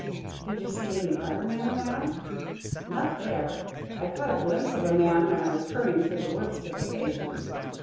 "Did you see any other man around?" "Not there. I caught a glimpse of a man when I was hurrying through the woods to the station."